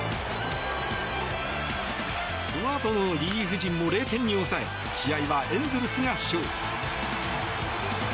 そのあとのリリーフ陣も０点に抑え試合はエンゼルスが勝利。